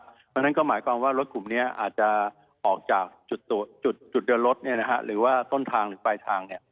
เพราะฉะนั้นก็หมายความว่ารถกลุ่มนี้อาจจะออกจากจุดเดินรถหรือว่าต้นทางหรือปลายทาง